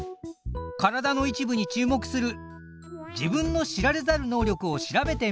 体の一部に注目する自分の知られざる能力を調べてみる